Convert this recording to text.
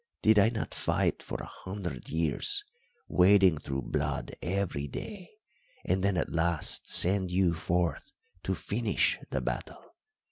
Did I not fight for a hundred years, wading through blood every day, and then at last send you forth to finish the battle?